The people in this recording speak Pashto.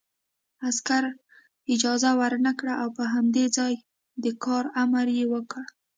عسکر اجازه ورنکړه او په همدې ځای د کار امر یې وکړ